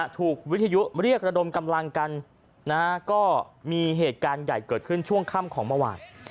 ถูกวิทยุเรียกระดมกำลังกันนะฮะก็มีเหตุการณ์ใหญ่เกิดขึ้นช่วงค่ำของเมื่อวาน